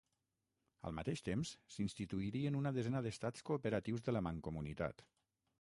Al mateix temps, s'instituirien una desena d'estats cooperatius de la Mancomunitat.